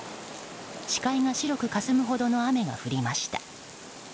視界が白くかすむほどの雨が降りました。